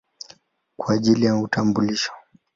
kwa ajili ya utambulisho.